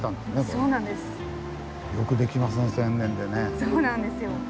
そうなんですよ。